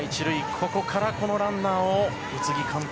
ここから、このランナーを宇津木監督